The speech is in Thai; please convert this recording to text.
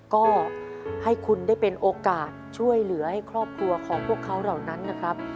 ก็ให้คุณได้เป็นโอกาสช่วยเหลือให้ครอบครัวของพวกเขาเหล่านั้นนะครับ